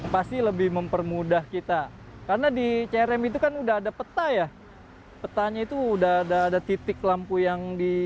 pasti lebih mempermudah kita karena di crm itu kan sudah ada peta ya petanya itu sudah ada titik lampu yang dilaporkan itu